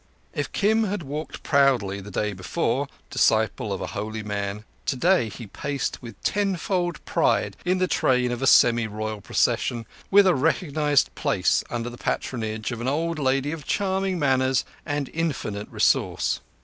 If Kim had walked proudly the day before, disciple of a holy man, today he paced with tenfold pride in the train of a semi royal procession, with a recognized place under the patronage of an old lady of charming manners and infinite resource.